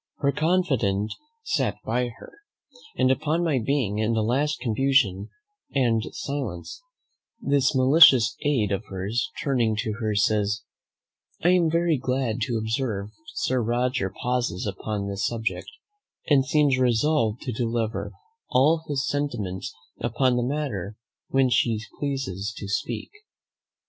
Her confident sat by her, and upon my being in the last confusion and silence, this malicious aid of hers turning to her says, 'I am very glad to observe Sir Roger pauses upon this subject, and seems resolved to deliver all his sentiments upon the matter when he pleases to speak.'